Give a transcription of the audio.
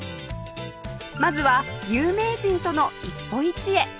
まずは有名人との一歩一会